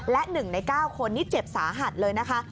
และ๑ใน๙คนนี้เจ็บสาหัสเลยนะคะ